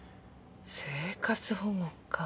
生活保護か。